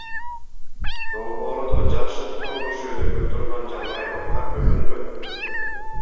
Долбоордо жашыл курулуш өнүгө турган жаңы аймактар бөлүнгөн.